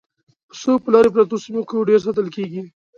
پسه په لرې پرتو سیمو کې ډېر ساتل کېږي.